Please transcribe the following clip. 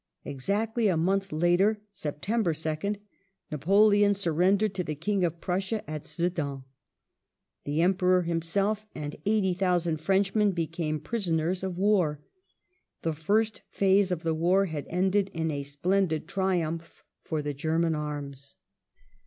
Exactly a month later (Sept. 2nd), Napoleon sun endered to the King of Prussia at Sedan. The Emperor himself and 80,000 Frenchmen became prisoners of wai*. The fii st pha.se of the war had ended in a splendid triumph for the German arms.